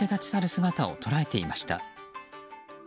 姿を捉えていました。